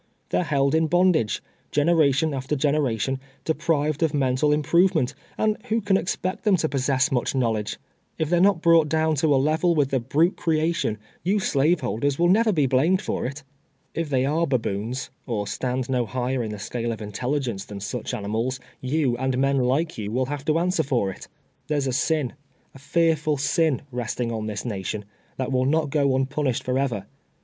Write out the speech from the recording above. They are held in bondage, generation after generation, de:)rived of mental im provement, and who can expect them to possess much knowledge ? If they are not brought down to a level with the brute creation, you slaveholdcrtf will never be blamed for it. If they are baboons, or stand no 2C8 TWELVE TEARS A SLATE. higher in the scale of intelligence than such animals, you and men like you will have to answer for it. There's a sin, a fearful sin, resting on this nation, that will not go unpunished forever.